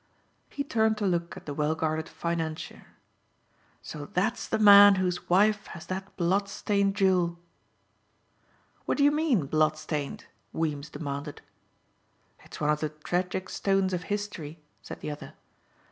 He turned to look at the well guarded financier. "So that's the man whose wife has that blood stained jewel!" "What do you mean blood stained?" Weems demanded. "It's one of the tragic stones of history," said the other.